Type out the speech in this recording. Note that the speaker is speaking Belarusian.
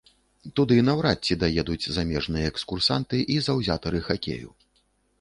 Туды наўрад ці даедуць замежныя экскурсанты і заўзятары хакею.